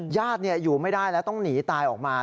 ญาติอยู่ไม่ได้แล้วต้องหนีตายออกมา